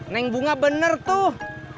neng bunga bener tuh